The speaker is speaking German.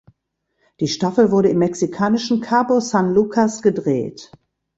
Die Staffel wurde im mexikanischen Cabo San Lucas gedreht.